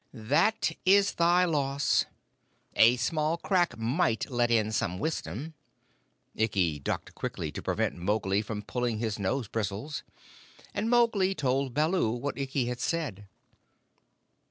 "That is thy loss. A small crack might let in some wisdom." Ikki ducked quickly to prevent Mowgli from pulling his nose bristles, and Mowgli told Baloo what Ikki had said.